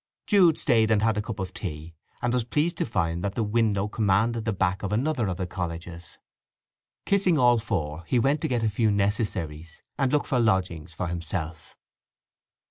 Jude stayed and had a cup of tea; and was pleased to find that the window commanded the back of another of the colleges. Kissing all four he went to get a few necessaries and look for lodgings for himself.